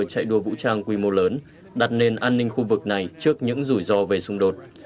chạy đua vũ trang quy mô lớn đặt nền an ninh khu vực này trước những rủi ro về xung đột